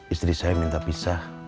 istri saya minta pisah